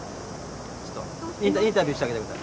ちょっとインタビューしてあげて下さい。